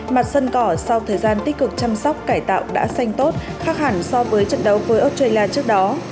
mặt sân cỏ sau thời gian tích cực chăm sóc cải tạo đã xanh tốt khác hẳn so với trận đấu với australia trước đó